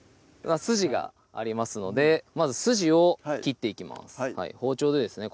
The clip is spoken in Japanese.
筋がありますのでまず筋を切っていきます包丁でですね